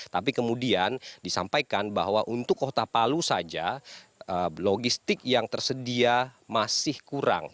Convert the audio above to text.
tapi kemudian disampaikan bahwa untuk kota palu saja logistik yang tersedia masih kurang